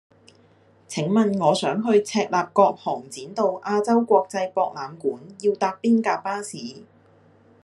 請問我想去赤鱲角航展道亞洲國際博覽館要搭邊架巴士